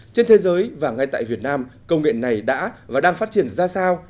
trên thế giới và ngay tại việt nam công nghệ này đã và đang phát triển ra sao